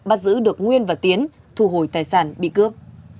bắt giữ được nguyên và tiến thu hồi tài sản bị cướp